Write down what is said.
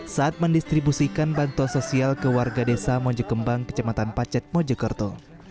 saat mendistribusikan bantuan sosial ke warga desa mojokembang kecamatan pacet mojokerto